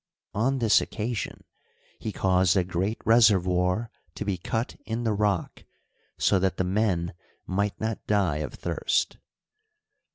On this occasion he caused a great reservoir to be cut in the rock, so that the men " might not die of thirst."